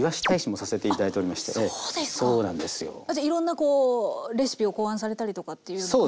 じゃあいろんなこうレシピを考案されたりとかというような活動も。